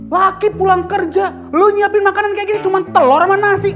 laki pulang kerja lu nyiapin makanan kayak gini cuma telur sama nasi